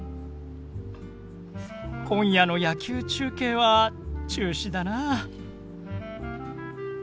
今夜の野球中継は中止だな。